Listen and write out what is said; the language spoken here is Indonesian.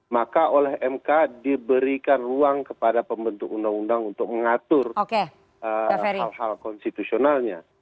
maka oleh mk diberikan ruang kepada pembentuk undang undang untuk mengatur hal hal konstitusionalnya